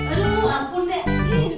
aduh ampun deh